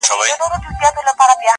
زما جانان ګل د ګلاب دی-